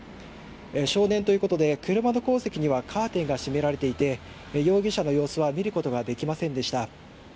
少年ということで車の後部席にはカーテンが引かれていて容疑者の様子は見ることができませんでした。